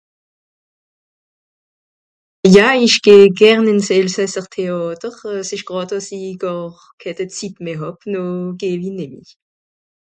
ja isch geh gern ìns elsasser théàter s'esch gràd dàss'i gàr keh de zit meh hàb no geh'wi nemmi